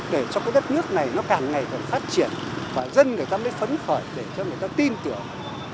để cho cái đất nước này nó càng ngày càng phát triển và dân người ta mới phấn khởi để cho người ta tin tưởng